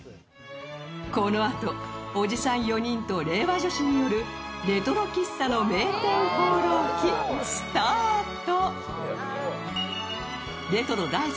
このあと、おじさん４人と令和女子によるレトロ喫茶の名店放浪記スタート。